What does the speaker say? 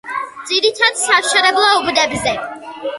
ძირითადად სამშენებლო უბნებზე.